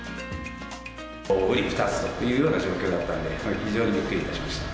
うり二つというような状況だったので、やはり非常にびっくりしました。